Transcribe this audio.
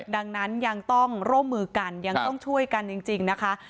ดังนั้นยังต้องร่วมมือกันยังต้องช่วยกันจริงนะคะ